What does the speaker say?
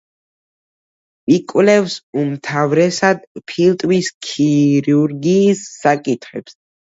იკვლევს უმთავრესად ფილტვის ქირურგიის საკითხებს.